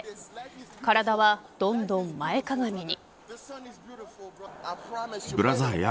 体はどんどん前かがみに。